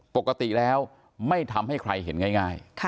ปกติแล้วไม่ทำให้ใครเห็นง่าย